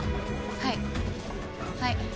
はいはい。